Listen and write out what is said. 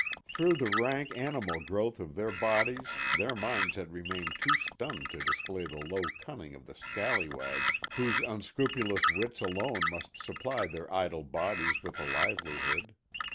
Through the rank animal growth of their bodies their minds had remained too stunted to display the low cunning of the scallywags whose unscrupulous wits alone must supply their idle bodies with a livelihood.